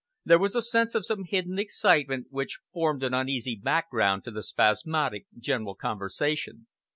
There was a sense of some hidden excitement, which formed an uneasy background to the spasmodic general conversation.